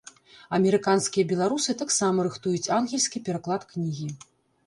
Амерыканскія беларусы таксама рыхтуюць ангельскі пераклад кнігі.